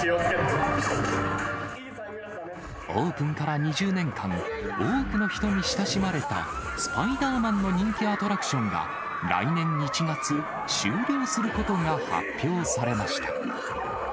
オープンから２０年間、多くの人に親しまれたスパイダーマンの人気アトラクションが、来年１月、終了することが発表されました。